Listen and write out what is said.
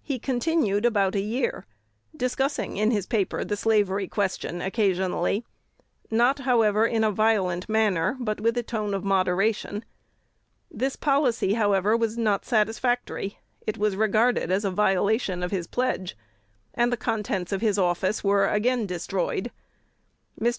He continued about a year, discussing in his paper the slavery question occasionally; not, however, in a violent manner, but with a tone of moderation. This policy, however, was not satisfactory: it was regarded as a violation of his pledge; and the contents of his office were again destroyed. Mr.